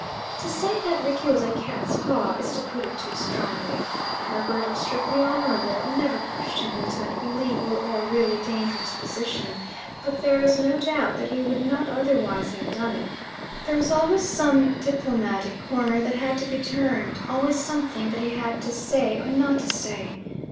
To say that Rickie was a cat's paw is to put it too strongly. Herbert was strictly honourable, and never pushed him into an illegal or really dangerous position; but there is no doubt that on this and on many other occasions he had to do things that he would not otherwise have done. There was always some diplomatic corner that had to be turned, always something that he had to say or not to say.